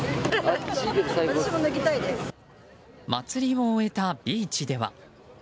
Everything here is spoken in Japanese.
祭りを終えたビーチでは。